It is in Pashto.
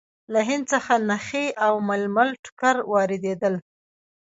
له هند څخه نخي او ململ ټوکر واردېدل.